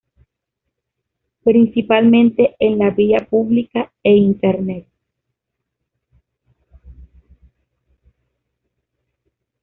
Principalmente en la vía pública e internet.